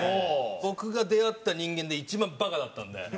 僕が出会った人間で一番バカだったんで。